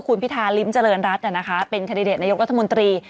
คุณพิธาริมเจริญรัฐเป็นคันดิเดตนายกรัฐมนตรี